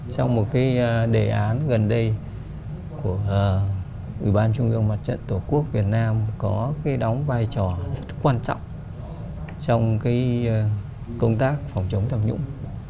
trong một cái đề án gần đây của ủy ban trung ương mặt trận tổ quốc việt nam có cái đóng vai trò rất quan trọng trong công tác phòng chống tham nhũng